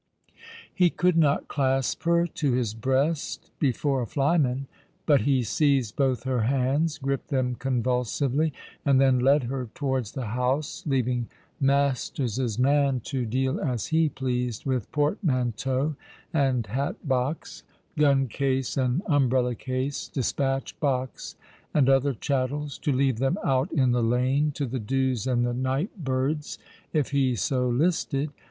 He could not clasp her to his breast before a flyman ; but he seized both her hands, gripped them convulsively, and then led her towards the house, leaving Masters's man to deal as he pleased with portmanteaux and hat box, gun case and umbrella case, despatch box, and other chattels ; to leave them out in the lane to the dews and the night birds, if he so listed.